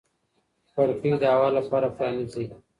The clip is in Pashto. کړکۍ د هوا لپاره پرانیزئ.